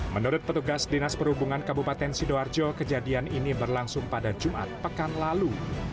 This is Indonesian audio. menurut petugas dinas perhubungan kabupaten sidoarjo kejadian ini berlangsung pada jumat pekan lalu